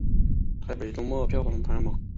台北周末票房排行榜